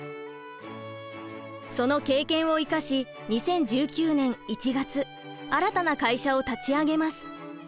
その経験を生かし２０１９年１月新たな会社を立ち上げます。